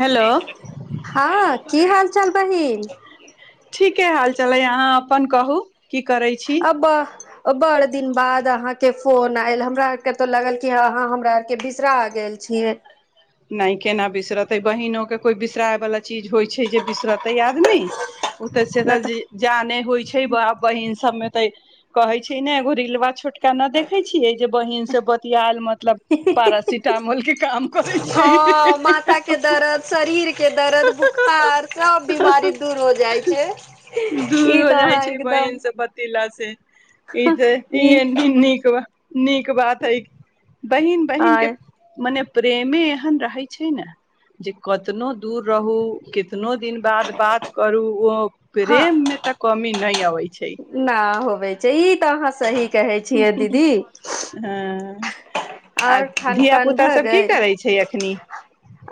Hello हँ की हाल चाल बहिन। ठीके हाल चालै अहाँ अपन कहू। की करै छी। अ बड़ दिन बाद अहाँ के फोन आयल हमरा आर के तो लागल क अहाँ हमरा आर के बिसरा गेल छियै। नै केना बिसरतै, बहीनोके कोइ बिसरायवला चीज होइ छैय जे बिसरतै आदमी। ओतऽ से तऽ जाने होइ छै बाप बहिन सबमे तऽ कहे छै ने एगो रिलवा छोट के ने देखे छिये जे बहिन से बतियाल मतलब पारासिटामोल के काम करे छी। हँ माथा के दरद, शरीर के दरद, बोखार सब बीमारी दूर हो जाइ छै ई दूर हो तऽ जाइ अहाँ छै बहिन एकदम [unintelligible] ई त ई नीक ब नीक बात है। बहिन बहिन के आय मने प्रेमी रह छै ने जे कतनो दूर रहू कितनो दिन बाद बात करू [unintelligible] हँ प्रेममे तऽ कमी नै। नहि अबै छै न होबे छै ई तऽ अहाँ सही कहै छियै दीदी। [inaudible] आ आओर खान धिया पुता सब की करै छैय अख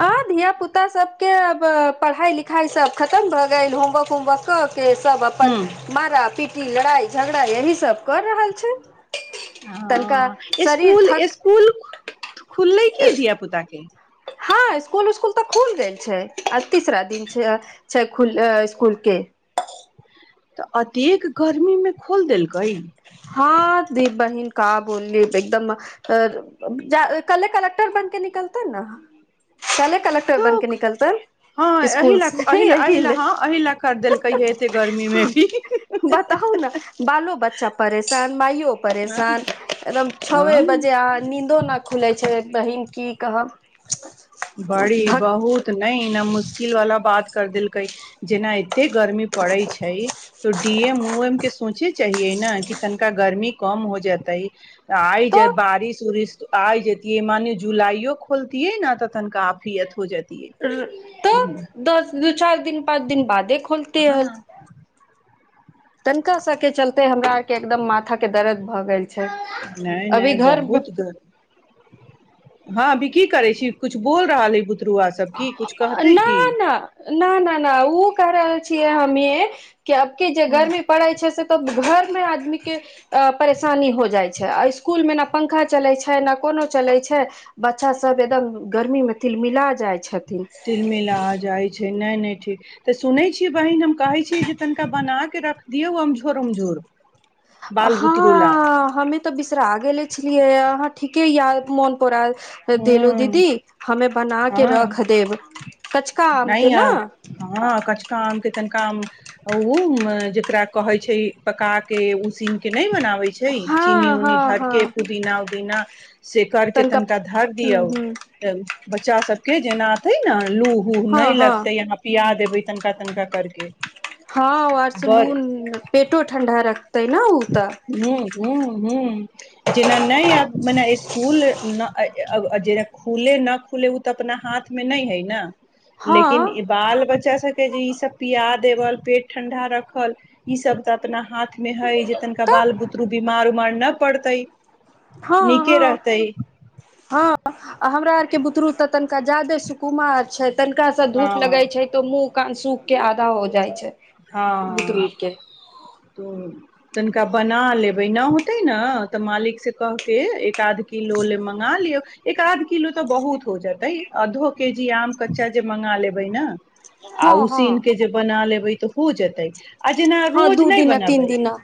आँ धियापुता सभके आब पढ़ाइ लिखाइ सभ खतम भऽ गेल होमवर्क- होमवर्क कअ। के सब हूँ अपन मारा -पीट। लड़ाई झगड़ा यही सब कर रहल छै। तनिका हं शरीर इसकुल- थक इसकुल खुलले की धिय पुता के। हँ इसकुल उस्कुल तऽ खुल गेल छै आ तीसरा दिन छै छै खु स्सकुल के। तऽ अतेक गर्मी मे खोल देलकै हँ दीप बहिन कह बोलली एकदम कले कलक्टर बन के निकलतेै नै। कले कलेक्टर बन तऽ के निकलतै हँ एहि स्कुल ला से एहि ला एहि एही ला ले हँ एहि ला कर देलकै ह एते गर्मी मे भी बताउ ने बालो बच्चा परेशान माइयो हँ परेशान एकदम छओ हँ बजे अहाँ नीदो न खुलै छै। बहीन की कहब। [unintelligible] बड़ी धक बहुत नहि न मुश्किल वाला बात। कर देलकै जेनाइ। एते गर्मी पड़े छै तो डी एम उ एम केए। सोचे चाहिये ने कि तनिका गर्मी कम हो जेते तऽ आइ बारिश -उरिश आइ जेतिये मान जुलाइयो खोलतििये न त। काफियत। तऽ दस दू चार। दिन पाँच दिन बादे खोलतीे है। [unintelligible] तनिका सबके चलते हमरा आर के एकदम माथा के दर्द भऽ गेल छै। नहि अभी नहि घर। [unintelligible] बहुत ग हँ अभी की करे छी कछ बोल रहल है बु। न -नहि न -नहि ओ कर। छियै हमी। [unintelligible] क अबके जे ह घरमी पड़ै छै से। तब घर में आदमी के परेशानी हो जाय छै आ स्कूल में ने पंखा चले छै ने कोनो चले छै बच्चा सब एदम गर्मी में तिलमिला जाय छै। तिलमिल आ जाइ छै नहि नहि। तऽ सुनै छीै बहिन हम कहै छीयै जे तनिका बनााकऽ रख दियौ अमझोर उमझोर। बाल बुतरू ला हँ हमे तऽ बिसरा गेले छलियै अहां। ठीके य मोन। पोरा देलू दीदी हँ हमे बना के हँ रख देब कचका आम नहि के आ ने। हँ कचका आम के [unintelligible] तनिका उ जेकरा कहे छै पका के उसीन के नहि मनावे छै। चीनी हँ उनी हँ हँ धरके पुदीना उदिना। सेकारके तनिका तन। आधार हूँ दिया हूँ बच्चा। बच्चा सब के जेना अथे ने। लू हू हँ न हँ लगते यहाँ पिया देबे। तनखा -तनखा करके। [unintelligible] हँ आर बड़ सलून। [unintelligible] पेटो ठण्डा रखतै ने ओ। तऽ हूं हूं। ह जेना नहि आब मने स्कूल जे खुले न खुले ओ तऽ अपना हाथ मे नहि है ने। लेकिन हँ ई बाल बच्चा से। के जे ई सब पियाा देबल पेट ठंडा रखल ई सब तऽ अपना हाथ में हय जे। तनिका तऽ बाल बुतरु बीमार उमार नहि पड़तै हँ नीके हँ रहतै। [unintelligible] हँ आ हमरा आर के बुतरु तनिका जादे सुकुमार छै। तनिका से धूप हँ लगे छै तो मुँह क सूख। के आधा हो जाइ छै। बुतरू हँ के त। [unintelligible] तनिका बना लेबै नहि होतै ने तऽ मालिकसँ कहहि क एक आध किलो लए मङ्गा लियौ एक आध किलो तऽ बहुत हो जेतै आधो के जी आम कच्चा जे मङ्गा लेबै न। आ हँ हँ उसीन के जे बना लेबै। तऽ हो जेतै। [unintelligible] जेना हँ रोज दू नहि दिना तीन बनेबै दिना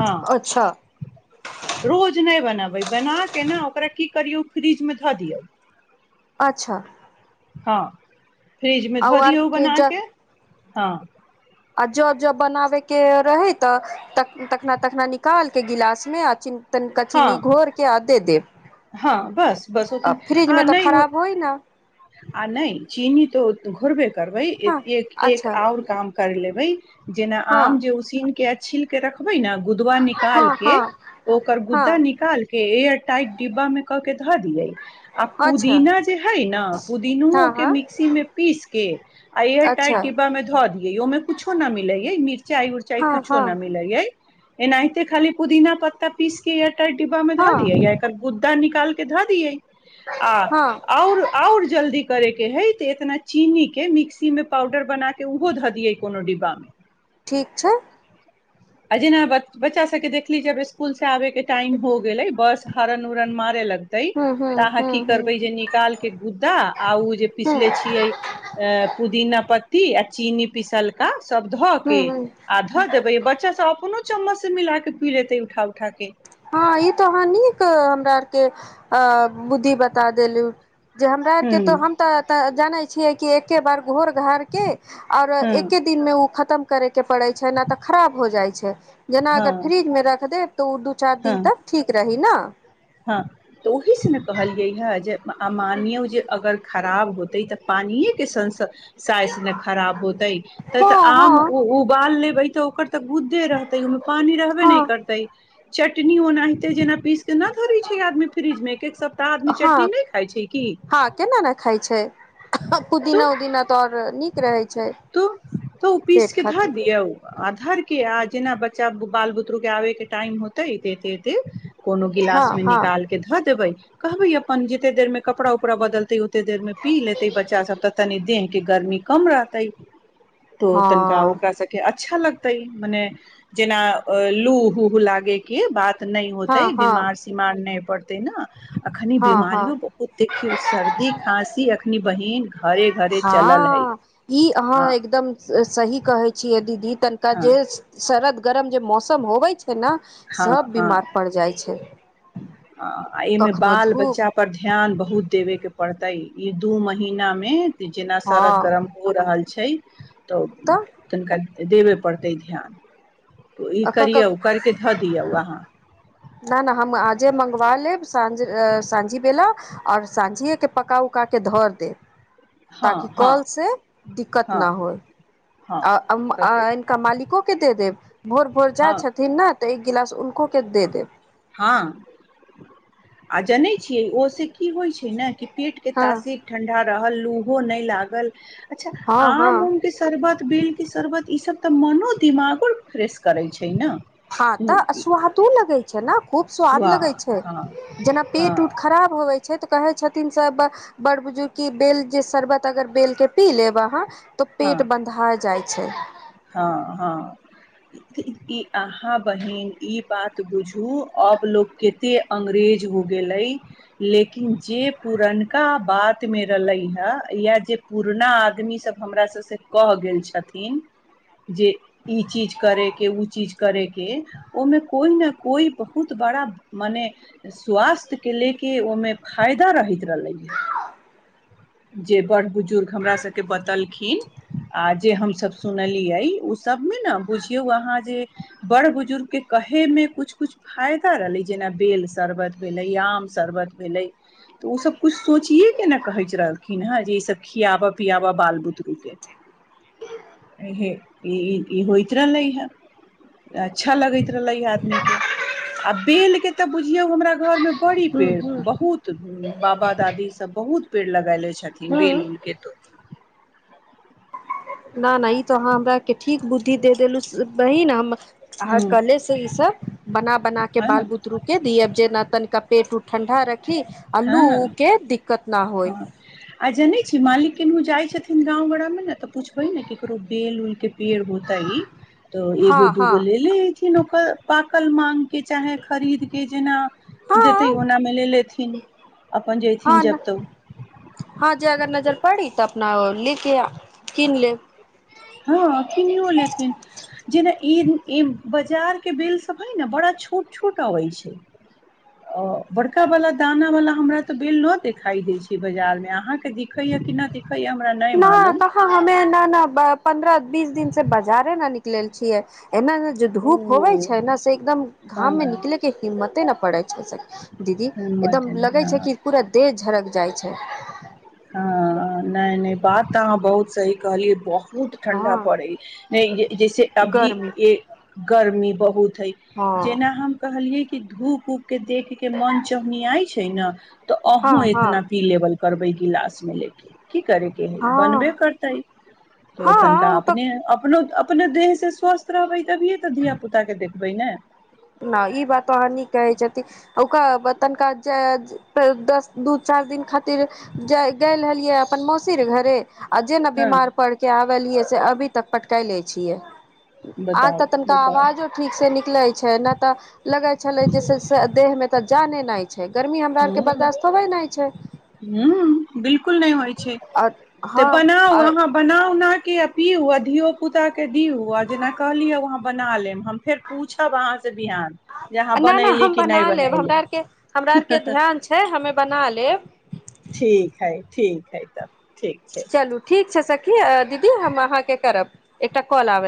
ह अच्छा [unintelligible] रोज। नहि बनबै बनाके ने ओकरा की करियौ फ्रीजमे धऽ दियौ। [unintelligible] अच्छा। हँ। [unintelligible] फ्रिजमे आ ओ धऽ दिऔ आरके ज बनाकऽ हँ। [unintelligible] आ जँ जँ बनाबयके रहै तऽ तखना- तखना निकालके गिलासमे आ चीनी। तनिका हँ घोर के आ दे देब -हँ बस- बस ओ त फ्रिज आ मे तऽ नहि [unintelligible] ओ खराब होइ न आ नहि चीनी त। घरब। [unintelligible] करबै हँ एक- एक अच्छा आओर काम करि लेबै। जेना हँ आम जे उसीन के। छिलके राखबै ने। गुदवा हँ निकालके हँ [unintelligible] ओ। गुद्दा हँ निकाल। के एयर टाइट डिब्बा मे क के धऽ दिये। आ अच्छा पुदीना जे हे ने पुदीिनो हँ के हँ मिक्सी में पीस के आ एयर अच्छा टाइट डिब्बा मे धऽ दिये ओमे कुछो न मिलेये मिरचाई उर्चाई हँ कुछो हँ न मिलेय। ए नहिते खाली पुदीना पत्ता। बीसके एट। िब्बा मे धा हँ दिय या एकर गू। त निकाल के धऽ दियै। आ हँ और और जल्दी करे के हय ते एतना चीनी के मिक्सी मे पाउडर बना के उहो धऽ दियै कोनो डिब्बा मे। ठीक छै। अ जेीना बच्चा सबके देखली जब। आबे के टाइम हो गेले बस हरण उरण मारे लगते हूँ हूँ तऽ अहाँ हूँ की हूँ करबे जे निकाल के गुद्दा आ ओ जे हूँ पिसले छियै अ पुदीना पत्ता। ती आ चीनी पिसलका सब धऽ हूँ के हूँ आ धऽ देबै, बच्चा सब अपनो चम्मच से मिलाय के पी लेतै उठा उ ठा के। हाँ ई तो अहाँ नीक हमरा आर के अ बुद्धि बता देलु। जे हमरा आर के हूँ तो हम तऽ ते जानै छियै कि एके बार घोर घार के और हँ एके दिन मे उ ख तम करै के पड़ै छै नै ते खराब हो जाय छै। जेना हँ अगर फिरिज में रख देब तो उ दु चार दिन हँ तक ठीक रही ना। ह हँ आ मानियौ जे अगर खराब होतै ते पानिये के संस साइज ने खराब होतै ते ते हँ आम हँ उ उबाल लेबै तो ओकर ते गुद्दे रहतै, ओय मे पानी रहबे नै हँ करतै। चटनी ओना हेते जेना पीस के ना ध दै छै आदमी फिरिज मे एक-एक सप्ताह आदमी चटनी हँ नै खाय छै की। तू पुदीना-उदिना तऽ आओर नीक रहै छै तो तो उ पेट पीसके धा खातिर दियौ आ धर के आ जेना बच्चा, बाल बुतरू के आबे के टाइम होतै, एते एते ते कोनो हँ गिलास मे हँ निकाल के धऽ देबै। कहबै अपन जते देर मे कपड़ा-उपड़ा बदलतै, ओते देर में पी लेतै बच्चा सब ते तनि देह के गर्मी कम रहतै। तो तनका हँ ओकरा स के अच्छा लग तै मने जेना लु हु लागे कि बात नहि होतै, हँ हँ बीमार सीमार नहि पढ़थिन ना। अखनि हँ हँ बीमारियो बहुत, देखियौ सर्दी, खाँसी अखनि बहिन घरे घरे चलल है। इ अहाँ हँ एकदम ए सही कहै छीये। दीदी। तनका हँ जे सरद गरम जे मौसम होवे छै तेना हँ सब हँ बीमार पड़ि जाइ छै। आ एहिमे कखनो बाल धूप बच्चा पर ध्यान बहुत देबयके पड़तै। इ दु महीना मे इ जेना सरद हँ गरम हो रहल छै। त तनिका देबय पड़तै ध्यान। इ तऽ करियौ, करके ध दियौ अहां। जे मंगवा लेब, सांझे अ सांझी बेला और सांझिए के पका उका के धर देब। हँ ताकि कल हँ से दिकत हँ ना होय। हँ आ कते आ इनका मालिको के दे देब? भोर भोर जाइ हँ छथिन ने त गिलास उनको के दे देब। हां, आ जनै छियै ओ से इ होइ छै ने कि पेट के हँ तासिक ठंडा रहल लुहो नै लागल अच्छा, हँ हँ आम उम के शरबत, बेल के शरबत इ सब त मनो दिमागो फ्रेश करै छै। हां त, ने सुआदो लगै छै ना। खुब स्वाद स्वा लगै छै, हँ जेना पेट हँ उट खराब होबै छै त कहै छथिन सब बड़ बुजुर्ग कि बेल जे शर्बत अगर बेल के पी लेब अहां, त त पेट बन्धा जाइ छै। हां हां, इ अहां बहिन इ बात बुझु आब लोक कते अंग्रेज हो गेलै, लेकिन जे पुरनका बातमे रहलै हां या जे पुरना आदमी सब हमरा सबसे कह गेल छथिन जे ई चीज करै के, उ चीज करै के, ओ मे कोइ ने कोइ बहुत बड़ा मने स्वास्थ्य के ले के ओय मे फायदा रहैत रहलैय या। जे बड़ बुजुर्ग हमरा सके बतलखिन आ जे हम सब सुनलियै, उ सब मे ने बुझियौ अहाँ जे बड़ बुजुर्ग के कहै मे कुछ-कुछ फायदा रहलै, जेना बेल शरबत भेलै, आम शरबत भेलै, उ सब कुछ सोचिये के ने कहैच रहल खिन हय जे ई सब खियाबा, पियाबा बाल बुतरु केे इहे ई ई ई होएत रहलै हय, अच्छा लगैत रहले हय आदमी के आ बेल के ते बुझियौ हमरा घर मे बड़ी हूँ पेड़ हूँ बहुत बाबा दादी सब बहुत पेड़ लगेलै बेल हूँ उल के त न न इ त अहां हमरा के ठीक बुद्धि द देलु बहिन, हम आर हूँ कल्हे से ई सब बना-बना के हँ बाल बुतरु के दियब, जेना तनका पेट उट ठंडा रख खी अ लू उ हँ के दिक्कत ना होय। हँ आ जनै छी मालिक किन्हु जाय छथिन गाँव बड़ा मे ना तऽ पूछबे ने केकरो बेल-उल के पेड़ होतए ते हँ एगो, दूगो हँ लेे ले ए किन ओकर पाकल मांग के चाहे खरीद के जेना देते ओना मे ले लेत हाँ नै हाँ जे अगर नजर पड़ी तऽ अपना लेके या किन लेब। हाँ किनियौ लेथिन जे ने ई ई बजार के बेल सब हय ना बड़ा छोट-छोट आवे छै अ बड़का बला दाना वाला हमरा ते बेल न देखाई दे छै बजार मे, अहाँ के दिखै या कि ना दि ना कहाँ हमे इन्ने न अ पन्द्रअ बीस दिन से बजारे ना निक लेल छियै। एना ने जो धूप होवे ओ छै ने से एकदम घाम में हँ निकले के हिम्मते ना पड़े छै से दीदी हिम्मत एकदम लगे छै की पूरा देह झरक जाय छै। हाँ नै नै बात त अहाँ बहुत सही कहलियै ब हुत ठंडा पड़ै हँ नै ये जैसे अभी गर्मी ए गर्मी बहुत हय, हँ जेना हम कहलियै ई धूप-उप के देख के मन चोन्हिया छै न। तऽ हँ अहों हँ एतना पी लेबल करबै गिलास मे लेके। की करै के हय, बनबे हँ करतै तो हँ तनका ओ तऽ अपने अपनो अपने देह से स्वस्थ रहबै तभिये ते धिया पुता के देखबै ने। नहि ई बात वहाँ न कहै छथिन ओक तनिका जे दस दू चार दिन खातिर गेल रहलियै अपन मौसी र घरे। अजे ने हँ बीमार पड़के आब। लियए से अभी तक पटका ले छियै। आ बताउ तऽ तनिका बताउ आवाजो ठीक से निकल छै। ना ते लगे छलै जे से से देह मे ते जाने नइ। [unintelligible] हूं- हूं बिलकुल नहि होइ छै आओर तऽ हँ बनाउ अहाँ बनाउ नट। के अी अधियो पुता के। पिउ जेना कहलिए उ अहां बना लेब फेर हम पूछब अहां से थे कहां नहि नहि बनेली की नई बनेली। के ध्यान छै हमे बना लेब। ठीक है -ठीक है तब। ठीक छै चलू ठीक छै स। दीीहब हम कहां के करब एकटा काल आबे।